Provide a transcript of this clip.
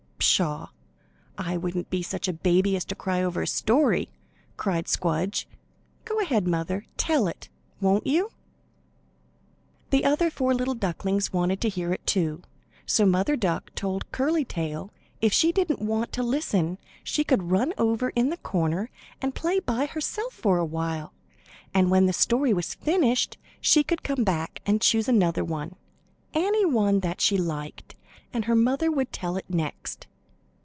"Pshaw! I wouldn't be such a baby as to cry over a story," cried Squdge. "Go ahead, mother! Tell it, won't you?" The other four little ducklings wanted to hear it, too, so Mother Duck told Curly Tail if she didn't want to listen she could run over in the corner and play by herself for awhile, and when that story was finished she could come back and choose another one—any one that she liked, and her mother would tell it next.